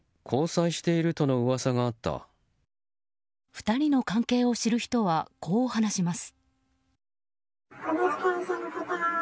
２人の関係を知る人はこう話します。